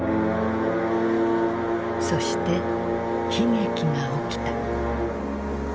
そして悲劇が起きた。